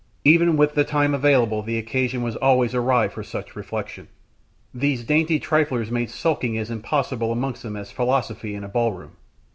Even with the time available the occasion was always awry for such reflection. These dainty triflers made sulking as impossible amongst them as philosophy in a ballroom.